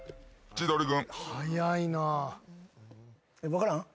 分からん？